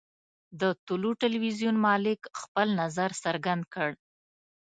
د طلوع ټلویزیون مالک خپل نظر څرګند کړ.